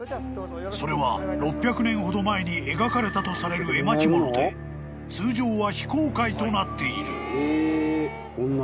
［それは６００年ほど前に描かれたとされる絵巻物で通常は非公開となっている］